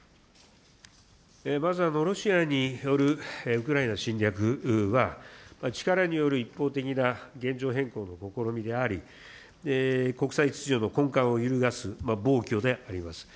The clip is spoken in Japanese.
まずロシアによるウクライナ侵略は、力による一方的な現状変更の試みであり、国際秩序の根幹を揺るがす暴挙であります。